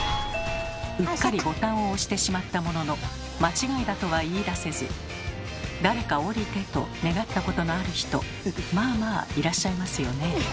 うっかりボタンを押してしまったものの間違いだとは言いだせず「誰か降りて！」と願ったことのある人まあまあいらっしゃいますよね。